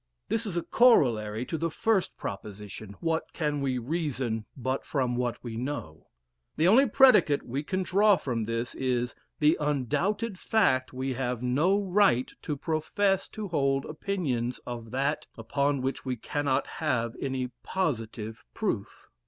This is a corollary to the first proposition, "What can we reason but from what we know?" The only predicate we can draw from this is, the undoubted fact we have no right to profess to hold opinions of that, upon which we cannot have any positive proof.